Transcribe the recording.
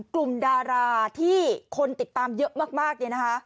กลุ่มดาราที่คนติดตามเยอะมากไป